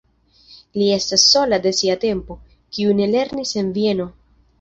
Li estis sola de sia tempo, kiu ne lernis en Vieno.